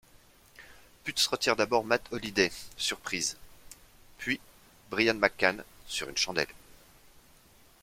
Putz retire d'abord Matt Holliday sur prises, puis Brian McCann sur une chandelle.